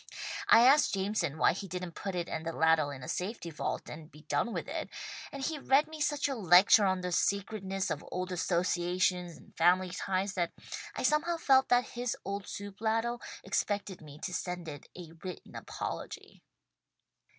I asked Jameson why he didn't put it and the ladle in a safety vault and be done with it, and he read me such a lecture on the sacredness of old associations and family ties that I somehow felt that his old soup ladle expected me to send it a written apology."